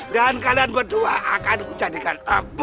dan kalian berdua akan aku jadikan abu